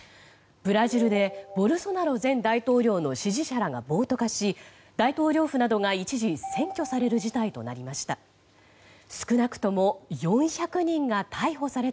ブラジルでボルソナロ前大統領の支持者らが暴徒化し、大統領府などが一時占拠される事態となりました。